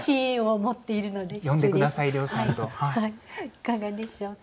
いかがでしょうか？